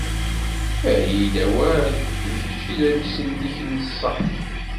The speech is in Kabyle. Err-iyi-d awal, d kečč i d amsellek n ṣṣeḥḥ!